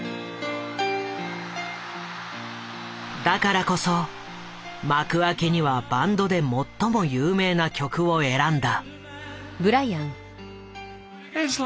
だからこそ幕開けにはバンドで最も有名な曲を選んだ。